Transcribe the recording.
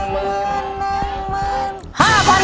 แม่เท่าไร